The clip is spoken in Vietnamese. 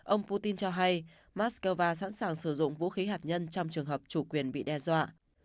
ông putin cho hay moscow sẵn sàng sử dụng vũ khí hạt nhân trong trường hợp chủ quyền bị đe dọa